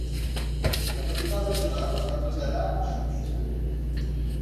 La capital regional es va traslladar a Antigen.